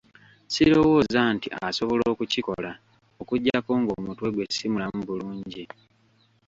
Sirowooza nti asobola okukikola okuggyako ng'omutwe gwe si mulamu bulungi.